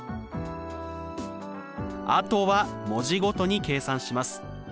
あとは文字ごとに計算します。